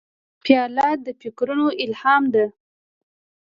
پیاله د فکرونو الهام ده.